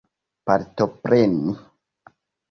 partopreni